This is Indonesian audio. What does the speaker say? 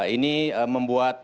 ini membuat petugas